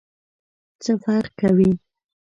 څه فرق کوي ؟